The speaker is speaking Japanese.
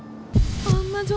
あんな